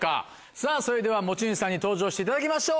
さぁそれでは持ち主さんに登場していただきましょう。